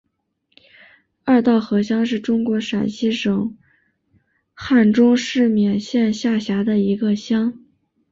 二道河乡是中国陕西省汉中市勉县下辖的一个乡。